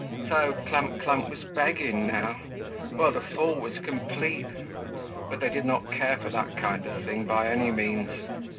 So Clump clump was begging now! Well, the fall was complete. But they did not care for that kind of thing by any means.